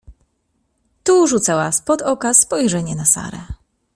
— Tu rzucała spod oka spojrzenie na Sarę.